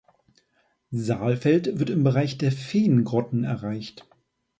Saalfeld wird im Bereich der Feengrotten erreicht.